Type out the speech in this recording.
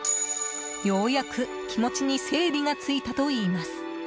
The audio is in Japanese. ようやく気持ちに整理がついたといいます。